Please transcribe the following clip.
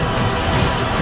aku akan menang